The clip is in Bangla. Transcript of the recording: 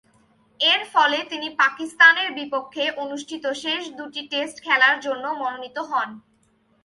এরফলে তিনি পাকিস্তানের বিপক্ষে অনুষ্ঠিত শেষ দুই টেস্টে খেলার জন্য মনোনীত হন।